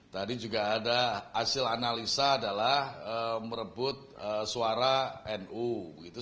tadi juga ada hasil analisa adalah merebut suara nu begitu